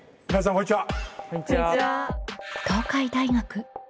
こんにちは。